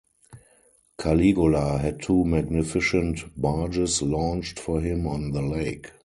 Caligula had two magnificent barges launched for him on the lake.